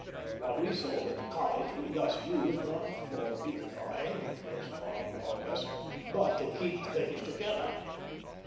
What we sold at the College we thus used; not for beautifying, which was far beyond us, but to keep things together.